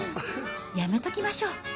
やめときましょう。